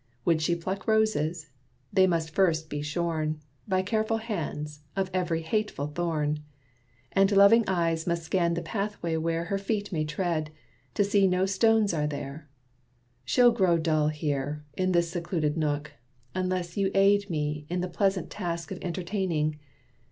Would she pluck roses? they must first be shorn, By careful hands, of every hateful thorn. And loving eyes must scan the pathway where Her feet may tread, to see no stones are there. She'll grow dull here, in this secluded nook, Unless you aid me in the pleasant task Of entertaining.